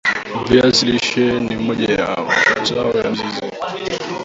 Viazi lishe ni moja ya mazao ya mizizi